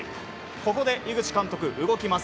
ここで井口監督、動きます。